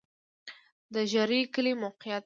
د ژرۍ کلی موقعیت